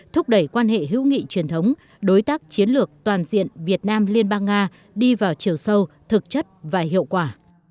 thúc đẩy quan hệ hữu nghị truyền thống đối tác chiến lược toàn diện việt nam liên bang nga đi vào chiều sâu thực chất và hiệu quả